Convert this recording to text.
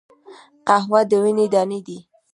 قهوه د ونې دانی دي